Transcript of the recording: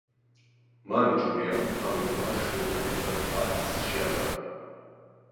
მარი ჯულიამ თავი ქმარ-შვილთან ერთად პარიზს შეაფარა.